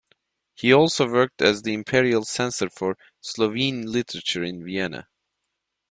He also worked as the Imperial censor for Slovene literature in Vienna.